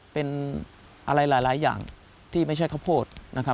เป็นอะไรหลายอย่างที่ไม่ใช่ข้าวโพดนะครับ